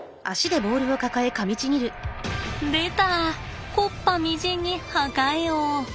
でた木っ端みじんに破壊王。